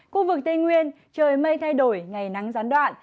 khu vực tây nguyên trời mây thay đổi ngày nắng gián đoạn